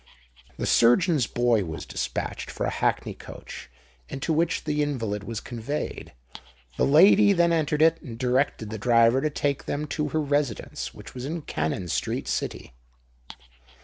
The surgeon's boy was despatched for a hackney coach, into which the invalid was conveyed. The lady then entered it, and directed the driver to take them to her residence, which was in Cannon Street, City.